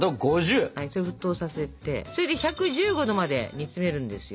沸騰させて１１５℃まで煮詰めるんですよ。